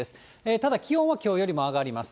ただ、気温はきょうよりも上がります。